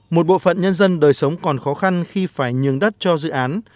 một bộ phận nhân dân đời sống còn khó khăn khi phải nhường đất cho dự án